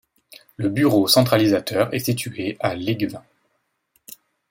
Le bureau centralisateur est situé à Léguevin.